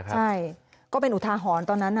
ใช่ก็เป็นอุทาหรณ์ตอนนั้น